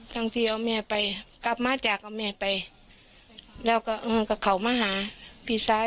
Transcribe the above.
บางทีเอาแม่ไปกลับมาจากเอาแม่ไปแล้วก็เออก็เขามาหาพี่ซ้าย